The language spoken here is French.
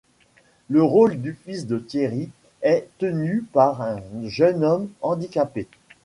Le rôle du fils de Thierry est tenu par un jeune homme handicapé.